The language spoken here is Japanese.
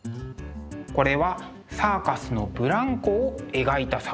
これはサーカスのブランコを描いた作品。